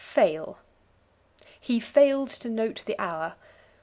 Fail. "He failed to note the hour."